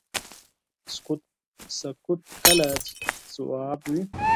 سکوت کله ځواب وي.